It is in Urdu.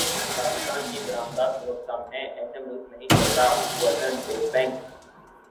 پاکستان کی برمدات بہت کم ہیں ایسے ملک نہیں چلتا گورنر اسٹیٹ بینک